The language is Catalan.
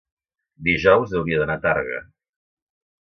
dijous hauria d'anar a Tàrrega.